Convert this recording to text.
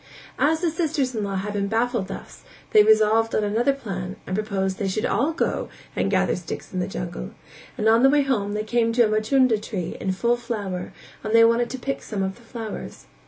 As the sisters in law had been baffled thus, they resolved on another plan and proposed that they should all go and gather sticks in the jungle; and on the way they came to a machunda tree in full flower and they wanted to pick some of the flowers.